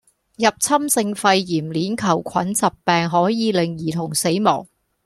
入侵性肺炎鏈球菌疾病可以令兒童死亡